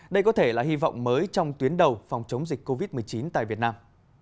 đây có thể là hy vọng mới trong tuyến đầu phòng chống dịch covid một mươi chín tại việt nam